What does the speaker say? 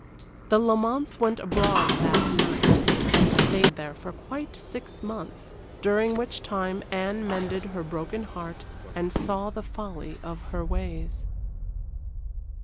The Lamonts went abroad that night, and stayed there for quite six months, during which time Anne mended her broken heart and saw the folly of her ways.